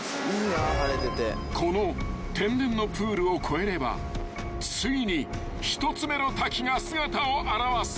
［この天然のプールを越えればついに１つ目の滝が姿を現す］